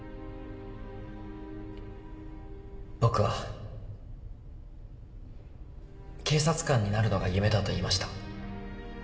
僕は警察官になるのが夢だと言いました。